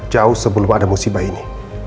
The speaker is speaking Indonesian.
jauh sebelum ada musibah ini